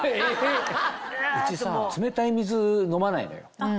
うちさ冷たい水飲まないのよ。